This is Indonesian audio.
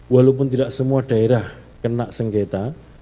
walaupun tidak semua daerah kena sengketa